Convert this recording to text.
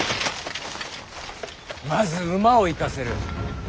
まず馬を行かせる。